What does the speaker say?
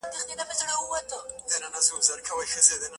يې پټ په لاس نوکاره کړ او ويې ويل,